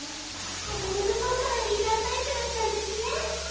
子供の頃からリーダータイプだったんですね。